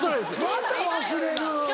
また忘れる。